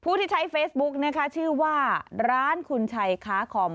ที่ใช้เฟซบุ๊กนะคะชื่อว่าร้านคุณชัยค้าคอม